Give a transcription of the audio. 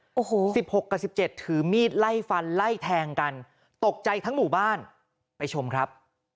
โอ้โห๑๖กับ๑๗ถือมีดไล่ฟันไล่แทงกันตกใจทั้งหมู่บ้านไปชมครับ